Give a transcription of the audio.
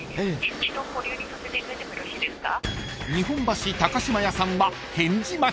［日本橋高島屋さんは］